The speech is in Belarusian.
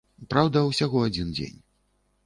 Праўда, усяго адзін дзень.